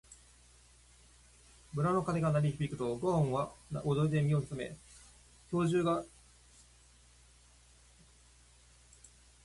村の鐘が鳴り響くと、ごんは驚いて身を潜め、兵十が外へ飛び出していくのを遠くから見守りました。